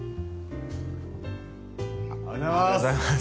おはようございます